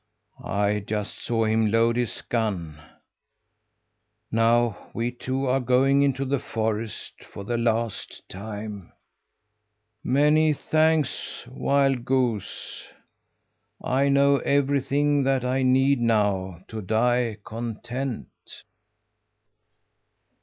I just saw him load his gun. Now we two are going into the forest for the last time. "Many thanks, wild goose! I know everything that I need know to die content!"